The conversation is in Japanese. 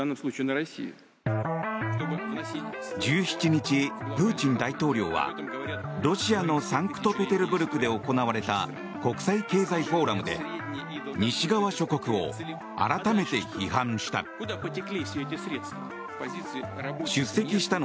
１７日、プーチン大統領はロシアのサンクトペテルブルクで行われた国際経済フォーラムで西側諸国を改めて批判した。